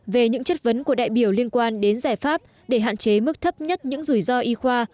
về những chất vấn của đại biểu liên quan đến giải pháp để hạn chế mức thấp nhất những rủi ro y khoa